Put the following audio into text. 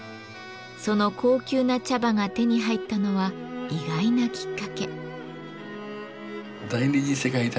その高級な茶葉が手に入ったのは意外なきっかけ。